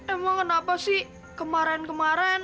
emang kenapa sih kemarin kemarin